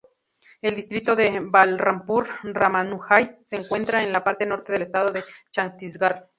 El distrito de Balrampur-Ramanujganj se encuentra en la parte norte del estado de Chhattisgarh.